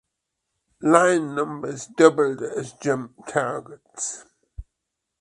Line numbers doubled as jump targets.